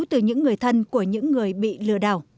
từ những người thân của những người bị lừa đảo